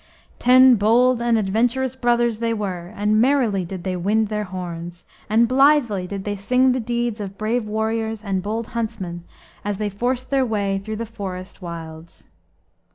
Ten bold and adventurous brothers they were, and merrily did they wind their horns, and blithely did they sing the deeds of brave warriors and bold huntsmen as they forced their way through the forest wilds.